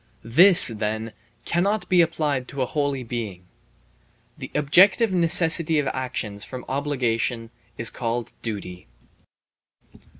This, then, cannot be applied to a holy being. The objective necessity of actions from obligation is called duty.